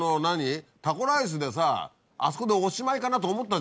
タコライスでさあそこでおしまいかなと思ったじゃん。